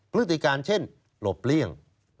พฤติการเช่นหลบเลี่ยง